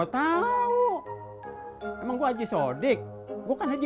terima kasih bel